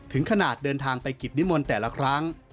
ถึงขนาดเดินทางไปกิจนิมนต์แต่ละครั้ง